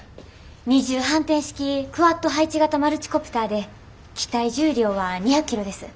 二重反転式クアッド配置型マルチコプターで機体重量は２００キロです。